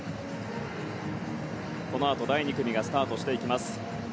このあと第２組がスタートしていきます。